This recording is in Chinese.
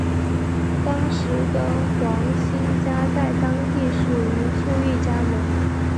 当时的黄兴家在当地属于富裕家门。